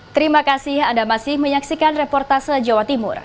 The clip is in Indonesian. terima kasih anda masih menyaksikan reportase jawa timur